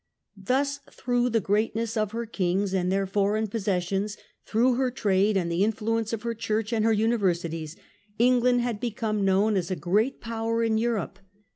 Thus through the greatness of her kings and their foreign possessions, through her trade and the influence of her church and her universities, England had become known as a great power in Europe.